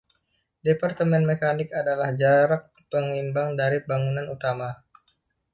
Departemen mekanik adalah jarak pengimbang dari bangunan utama.